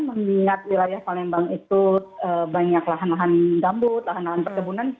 mengingat wilayah palembang itu banyak lahan lahan gambut lahan lahan perkebunan